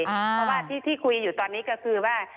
เพราะว่าที่คุยอยู่ตอนนี้ก็คือว่า